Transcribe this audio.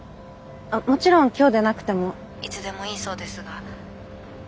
あっもちろん今日でなくてもいつでもいいそうですが。